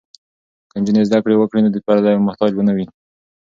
که نجونې زده کړې وکړي نو د پردیو محتاج به نه وي.